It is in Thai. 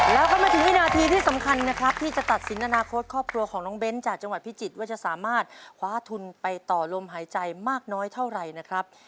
แล้วก็มาถึงวินาทีที่สำคัญนะครับที่จะตัดสินอนาคตครอบครัวของน้องเบ้นจากจังหวัดพิจิตรว่าจะสามารถคว้าทุนไปต่อลมหายใจมากน้อยเท่าไหร่นะครับ